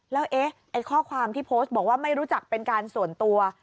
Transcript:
แล้วเอ๊ะไอ้ข้อความที่โพสต์บอกว่าไม่รู้จักเป็นการส่วนตัว